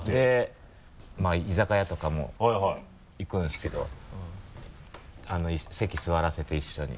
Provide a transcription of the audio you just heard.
まぁ居酒屋とかも行くんですけど席座らせて一緒に。